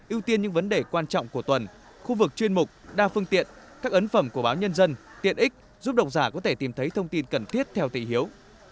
ưu tiên những vấn đề quan trọng của tuần khu vực chuyên mục đa phương tiện các ấn phẩm của báo nhân dân tiện ích giúp độc giả có thể tìm thấy thông tin cần thiết theo tị hiếu